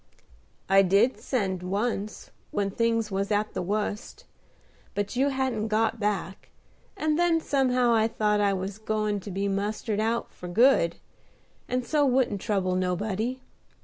"I did send once, when things was at the wust; but you hadn't got back, and then somehow I thought I was goin' to be mustered out for good, and so wouldn't trouble nobody.